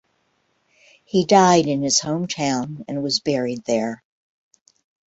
He died in his hometown and was buried there.